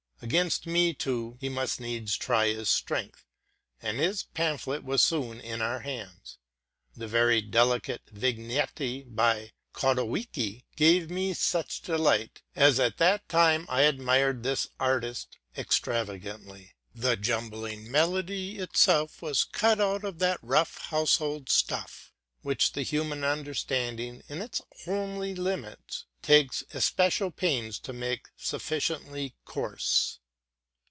Against me, too, he must needs try his strength; and his pamphlet was soon in our hands. The very delicate vignette, by Chodowiecki, gave me much delight: as at that time I admired this artist extravagantly. The jumbling medley itself was cut out of that rough household stuff which the human understanding, in its homely limits, takes especial pains to make sufficiently coarse.